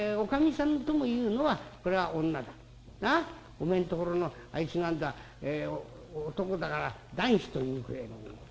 おめえんところのあいつなんざ男だから男子というくれえのものだ。